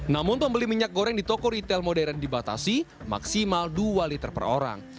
namun pembeli minyak goreng di toko retail modern dibatasi maksimal dua liter per orang